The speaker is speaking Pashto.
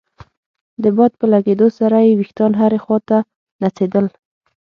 د باد په لګېدو سره يې ويښتان هرې خوا ته نڅېدل.